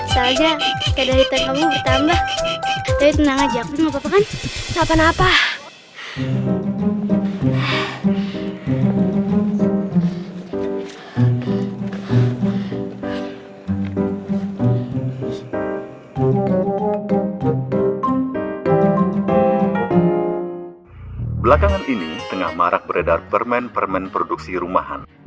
soalnya keadaan hitam kamu bertambah